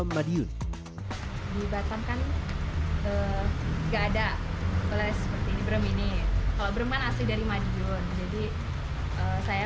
madiun dibatangkan enggak ada oleh seperti ini kalau bermanasi dari madiun jadi saya